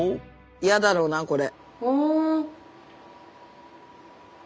嫌だろうなこれ。